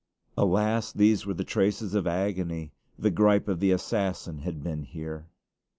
Alas! these were the traces of agony; the gripe of the assassin had been here!